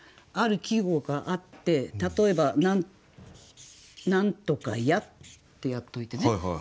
ある季語があって例えば「何とかや」ってやっといてね